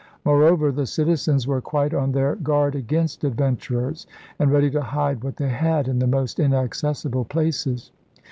Moreover the citizens were quite on their guard against adventurers and ready to hide what they had in the most inacces sible places.